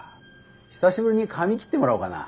久しぶりに髪切ってもらおうかな。